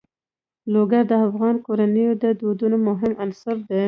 لوگر د افغان کورنیو د دودونو مهم عنصر دی.